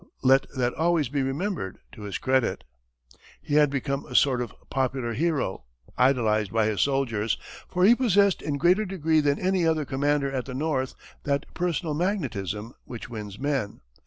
Let that always be remembered to his credit. He had become a sort of popular hero, idolized by his soldiers, for he possessed in greater degree than any other commander at the North that personal magnetism which wins men.